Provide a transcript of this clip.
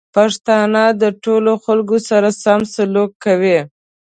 پښتانه د ټولو خلکو سره سم سلوک کوي.